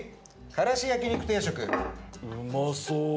からし焼肉定食。